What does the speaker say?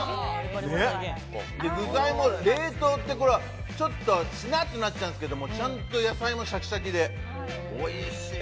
具材も、冷凍ってちょっとしなってなっちゃうんですけどちゃんと野菜もシャキシャキでおいしいですね。